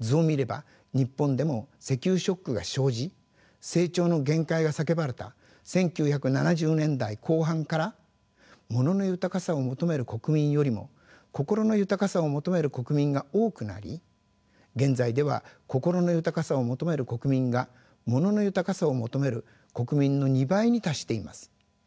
図を見れば日本でも石油ショックが生じ成長の限界が叫ばれた１９７０年代後半から物の豊かさを求める国民よりも心の豊かさを求める国民が多くなり現在では心の豊かさを求める国民が物の豊かさを求める国民の２倍に達しています。